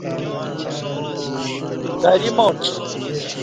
دَری ماچ